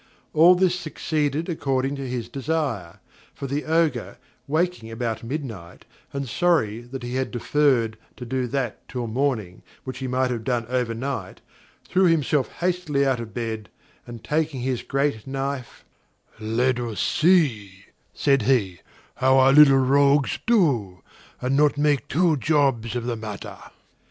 All this succeeded according to his desire; for the Ogre waking about midnight, and sorry that he deferred to do that till morning which he might have done over night, threw himself hastily out of bed, and taking his great knife: "Let us see," said he, "how our little rogues do, and not make two jobs of the matter."